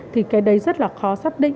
thì cái đấy rất là khó xác định